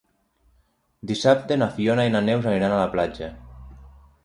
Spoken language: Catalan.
Dissabte na Fiona i na Neus aniran a la platja.